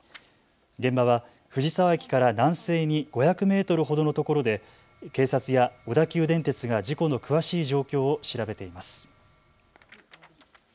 現場は藤沢駅から南西に５００メートルほどのところで警察や小田急電鉄が事故の詳しい状況を調べています。